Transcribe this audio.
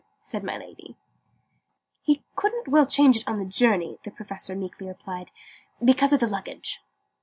said my Lady. "He couldn't well change it on the journey," the Professor meekly replied, "because of the luggage."